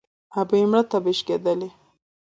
ـ ابۍ مړه تبه يې وشکېده.